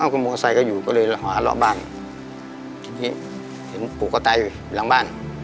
อ้าวมอเซย์ก็อยู่ก็เลยหารอบบ้านทีนี้เห็นปลูกก่อตายอยู่หลังบ้าน